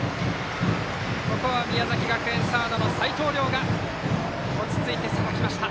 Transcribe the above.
ここは宮崎学園のサード齋藤崚雅が落ち着いてさばきました。